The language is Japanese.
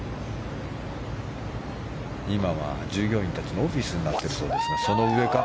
今は従業員たちのオフィスになっているそうですがその上か。